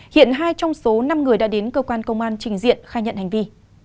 hiện hai trong số năm người đã đến cơ quan công an trình diện khai nhận hành vi